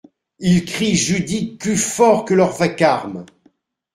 Il crie Judith plus fort que leur vacarme !